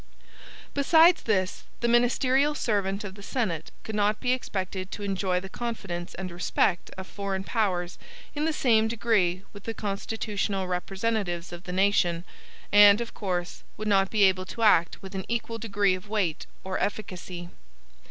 Besides this, the ministerial servant of the Senate could not be expected to enjoy the confidence and respect of foreign powers in the same degree with the constitutional representatives of the nation, and, of course, would not be able to act with an equal degree of weight or efficacy.